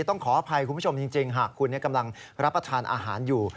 ต้องขออภัยคุณผู้ชมจริงหากคุณกำลังรับประทานอาหารอยู่